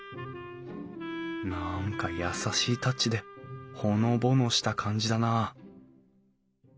何か優しいタッチでほのぼのした感じだなあ